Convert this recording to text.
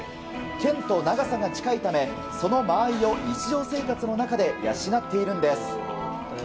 剣と長さも近いためその間合いを日常生活の中で養っているんです。